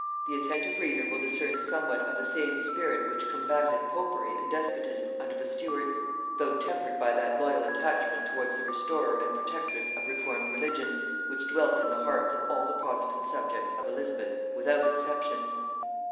the attentive reader will discern somewhat of the same spirit which combated popery and despotism under the Stuarts, though tempered by that loyal attachment towards the restorer and protectress of reformed religion which dwelt in the hearts of all the protestant subjects of Elizabeth without exception.